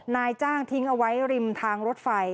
นายจ้างทิ้งเอาไว้ริมทางรถไฟ